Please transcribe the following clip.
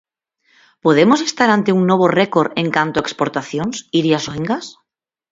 Podemos estar ante un novo récord en canto a exportacións, Iria Soengas?